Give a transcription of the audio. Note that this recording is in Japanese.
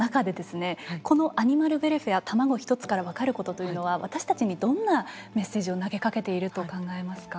このアニマルウェルフェア卵一つから分かることというのは私たちにどんなメッセージを投げかけていると考えますか？